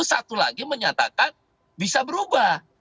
satu lagi menyatakan bisa berubah